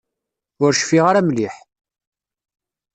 Ur cfiɣ ara mliḥ.